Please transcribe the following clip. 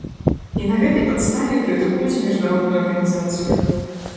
І на гэтай падставе крытыкуюць міжнародную арганізацыю!